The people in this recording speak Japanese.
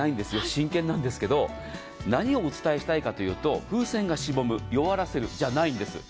真剣なんですけど何をお伝えしたいかというと風船がしぼむ弱らせるじゃないんです。